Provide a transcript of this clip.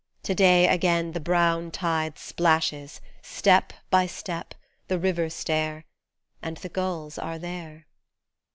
To day again the brown tide splashes, step by step, the river stair, And the gulls are there